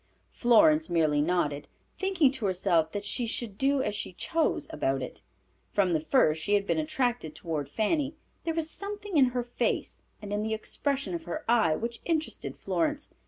Florence merely nodded, thinking to herself that she should do as she chose about it. From the first she had been attracted toward Fanny. There was something in her face, and in the expression of her eye, which interested Florence.